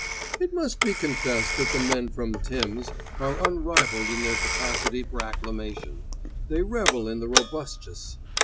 It must be confessed that the men from "Tims" are unrivalled in their capacity for acclamation—they revel in the robustious.